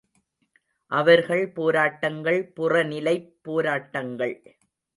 அவர்கள் போராட்டங்கள் புறநிலைப் போராட்டங்கள்.